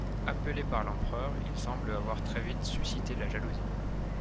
Appelé par l'empereur, il semble avoir très vite suscité la jalousie.